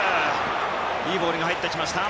いいボールが入ってきました。